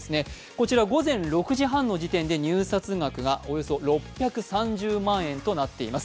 こちら午前６時半の時点で入札額がおよそ６３０万円となっています。